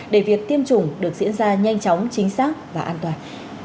để việc tiêm chủng được diễn ra nhanh chóng chính xác và an toàn